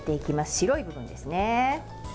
白い部分ですね。